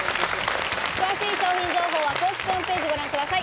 詳しい商品情報は公式ホームページをご覧ください。